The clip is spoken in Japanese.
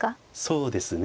そうですね。